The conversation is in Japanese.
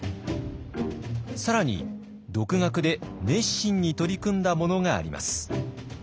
更に独学で熱心に取り組んだものがあります。